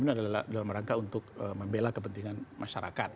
ini adalah dalam rangka untuk membela kepentingan masyarakat